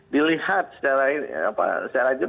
dilihat secara jernih